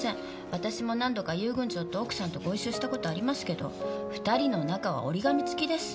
私も何度か遊軍長と奥さんとご一緒した事ありますけど２人の仲は折り紙つきです。